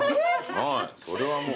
はいそれはもう。